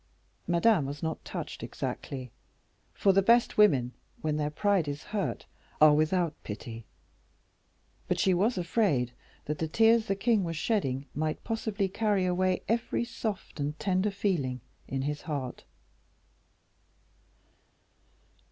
Madame was not touched exactly for the best women, when their pride is hurt, are without pity; but she was afraid that the tears the king was shedding might possibly carry away every soft and tender feeling in his heart.